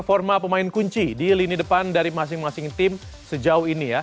forma pemain kunci di lini depan dari masing masing tim sejauh ini ya